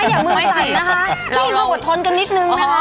ท่านมีความอดทนกันนิดนี้